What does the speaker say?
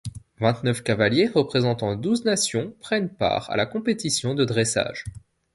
Vingt-neuf cavaliers représentant douze nations prennent part à la compétition de dressage.